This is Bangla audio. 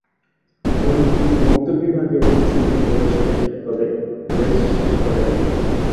উনি মুক্ত বিভাগেও অংশগ্রহণ করেছিলেন তবে রেস শেষ করেননি।